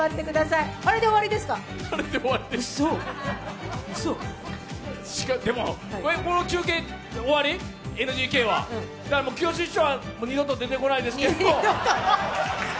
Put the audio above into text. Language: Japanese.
だから、きよし師匠は二度と出てこないですけど。